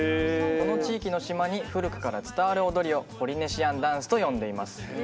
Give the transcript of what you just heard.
この地域の島に古くから伝わる踊りをポリネシアンダンスと呼んでいます。